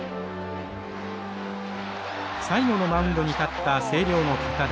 最後のマウンドに立った星稜の堅田。